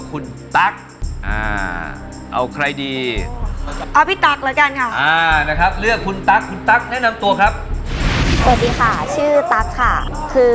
คุณตั๊กอ่าเอาใครดิเอาพี่ตาเลือกคุณแนะนำตัวครับแล้วติดค่าชื่อตั๊กค่ะคือ